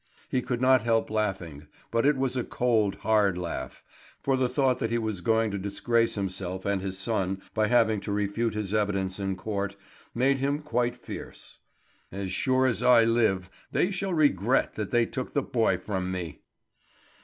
He could not help laughing, but it was a cold, hard laugh; for the thought that he was going to disgrace himself and his son by having to refute his evidence in court, made him quite fierce. "As sure as I live, they shall regret that they took the boy from me."